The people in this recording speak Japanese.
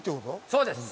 そうです。